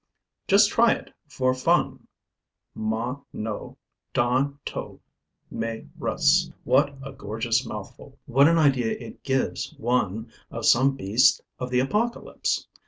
Just try it, for fun: Mo no don to me rus. What a gorgeous mouthful! What an idea it gives one of some beast of the Apocalypse!